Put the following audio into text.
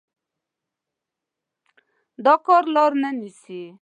دا کار لار نه نيسي.